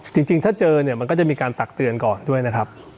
จริงถ้าเจอเนี่ยมันก็จะมีการตักเตือนก่อนด้วยนะครับ